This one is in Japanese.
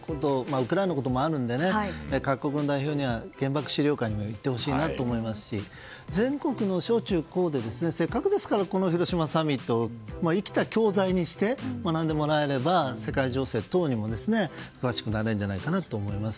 ウクライナのこともあるので各国の代表には、原爆資料館にも行ってほしいなと思いますし全国の小中高でせっかくですからこの広島サミットを生きた教材にして学んでもらえれば世界情勢等にも詳しくなれるんじゃないかなと思います。